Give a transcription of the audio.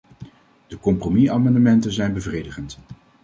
De compromisamendementen zijn bevredigend.